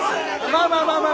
まあまあまあまあ！